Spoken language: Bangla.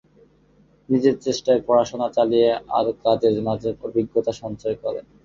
নিজের চেষ্টায় পড়াশোনা চালিয়ে আর কাজের মাঝে অভিজ্ঞতা সঞ্চয় করেন।